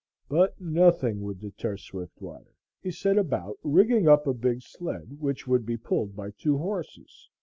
But nothing would deter Swiftwater. He set about rigging up a big sled which could be pulled by two horses.